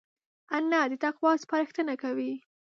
انا د تقوی سپارښتنه کوي